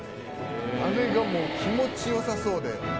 あれがもう気持ち良さそうで。